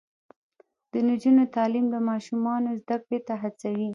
د نجونو تعلیم د ماشومانو زدکړې ته هڅوي.